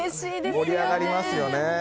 盛り上がりますよね。